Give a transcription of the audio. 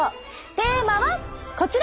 テーマはこちら！